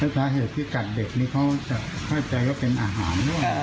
แล้วถ้าเหตุที่กัดเด็กนี้เขาจะค่อยใจว่าเป็นอาหารหรือเปล่าอ่า